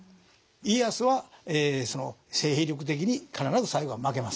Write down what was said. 家康は勢力的に必ず最後は負けます。